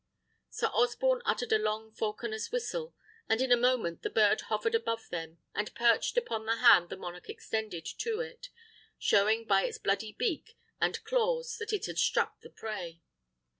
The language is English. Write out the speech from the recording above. Sir Osborne uttered a long falconer's whistle, and in a moment the bird hovered above them, and perched upon the hand the monarch extended to it, showing by its bloody beak and claws that it had struck the prey.